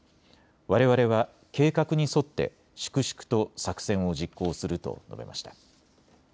われわれは計画に沿って粛々と作戦を実行すると述べました。